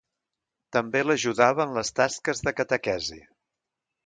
També l'ajudava en les tasques de catequesi.